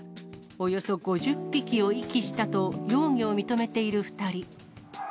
およそ５０匹を遺棄したと容疑を認めている２人。